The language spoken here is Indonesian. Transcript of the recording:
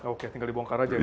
oke tinggal dibongkar aja ya